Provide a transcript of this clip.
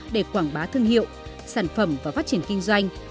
để quảng bá thương hiệu sản phẩm và phát triển kinh doanh